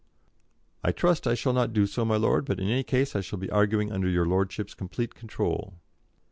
"I trust I shall not do so, my lord; but in any case I shall be arguing under your lordship's complete control."